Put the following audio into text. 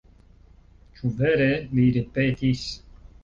Ĉu vere!? li ripetis.